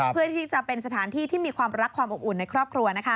เพื่อที่จะเป็นสถานที่ที่มีความรักความอบอุ่นในครอบครัว